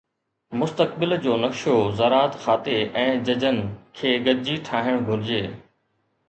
مستقبل جو نقشو زراعت کاتي ۽ ججن کي گڏجي ٺاهڻ گهرجي